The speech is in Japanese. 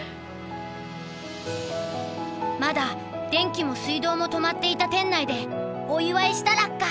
まだ電気も水道も止まっていた店内でお祝いしたラッカ。